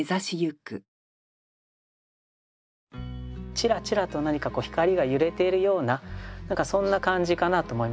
ちらちらと何か光が揺れているような何かそんな感じかなと思いますね。